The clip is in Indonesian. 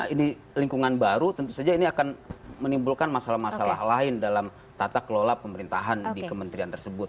ini lingkungan baru tentu saja ini akan menimbulkan masalah masalah lain dalam tata kelola pemerintahan di kementerian tersebut